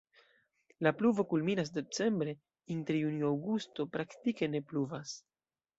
La pluvo kulminas decembre, inter junio-aŭgusto praktike ne pluvas.